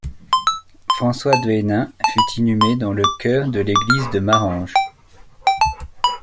François de Hennin fut inhumé dans le chœur de l'église de Marange.